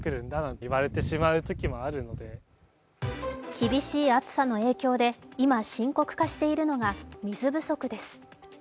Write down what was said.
厳しい暑さの影響で今、深刻化しているのが水不足です。